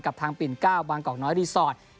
กับทางปิ่น๙บางกอกน้อยรีสอร์ท